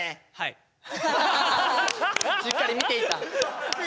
しっかり見ていた。